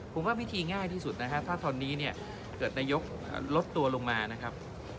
ผมว่าวิธีง่ายที่สุดนะฮะถ้าตอนนี้เนี่ยเกิดนายกลดตัวลงมานะครับ